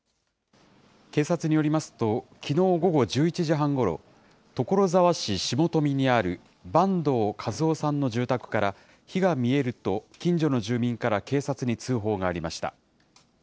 警察によりますと、きのう午後１１時半ごろ、所沢市下富にある坂東和雄さんの住宅から火が見えると、近所の住民から警察に通報がありました。